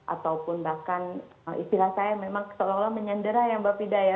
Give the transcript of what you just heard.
ataupun bahkan istilah saya memang seolah olah menyandera ya mbak fida ya